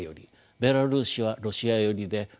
ベラルーシはロシア寄りで不安定です。